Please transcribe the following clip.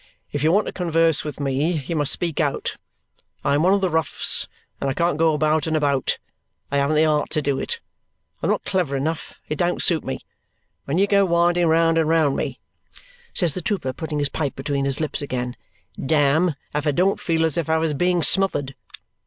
"If you want to converse with me, you must speak out. I am one of the roughs, and I can't go about and about. I haven't the art to do it. I am not clever enough. It don't suit me. When you go winding round and round me," says the trooper, putting his pipe between his lips again, "damme, if I don't feel as if I was being smothered!"